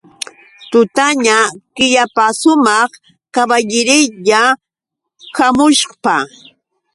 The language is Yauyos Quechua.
Tutaña killapasumaq kaballerya hamushpa.